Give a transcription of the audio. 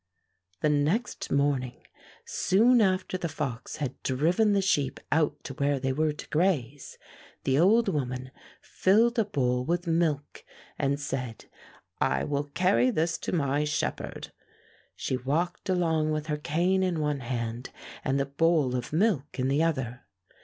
The next morning, soon after the fox had driven the sheep out to where they were to graze, the old woman filled a bowl with milk and said, ''I will carry this to my shepherd." She walked along with her cane in one hand and the bowl of milk in the other.